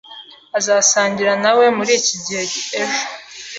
Azasangira na we muri iki gihe ejo